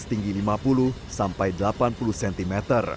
setinggi lima puluh sampai delapan puluh cm